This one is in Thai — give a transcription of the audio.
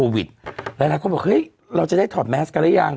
หลายคนบอกเฮ้ยเราจะได้ถอดแมสกันหรือยัง